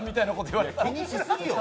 気にしすぎよ。